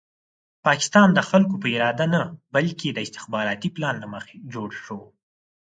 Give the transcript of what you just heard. پاکستان د خلکو په اراده نه بلکې د استخباراتي پلان له مخې جوړ شو.